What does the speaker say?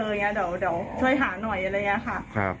อย่างเงี้ยเดี๋ยวเดี๋ยวช่วยหาหน่อยอะไรอย่างเงี้ยค่ะครับ